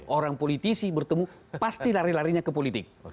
orang politisi bertemu pasti lari larinya ke politik